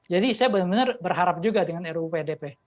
jadi saya benar benar berharap juga dengan ruu pdp